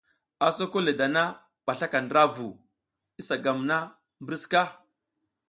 A soko le dan aba a slaka ndra vu, isa gam na mbri sika?